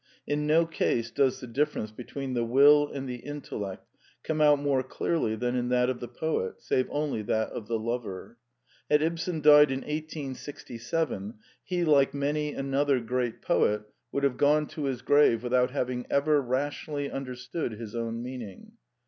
In no case does the difference between the will and the intellect come out more clearly than in that of the poet, save only that of the lover. Had Ibsen died in 1867, he, like many another great poet, would have gone to his grave without having ever rationally understood his own meaning.